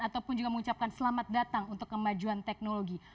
ataupun juga mengucapkan selamat datang untuk kemajuan teknologi